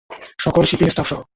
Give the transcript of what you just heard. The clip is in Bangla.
সকল শিপিং স্টাফ সহ।